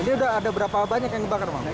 ini udah ada berapa banyak yang kebakar